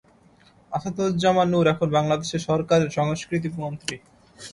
আসাদুজ্জামান নূর এখন বাংলাদেশ সরকারের সংস্কৃতিমন্ত্রী।